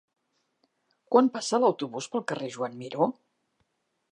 Quan passa l'autobús pel carrer Joan Miró?